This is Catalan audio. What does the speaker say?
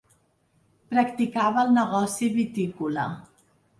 Practicava el negoci vitícola.